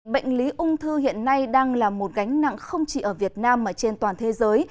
bệnh lý ung thư hiện nay đang là một gánh nặng không chỉ ở việt nam mà trên toàn thế giới